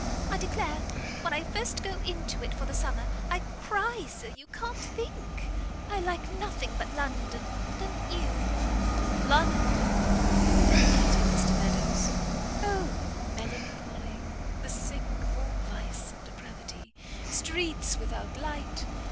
I declare, when I first go into it for the summer, I cry so you can't think. I like nothing but London. Don't you?" "London!" repeated Mr Meadows, "O melancholy! the sink of all vice and depravity. Streets without light!